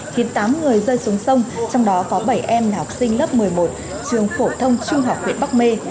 khiến tám người rơi xuống sông trong đó có bảy em là học sinh lớp một mươi một trường phổ thông trung học huyện bắc mê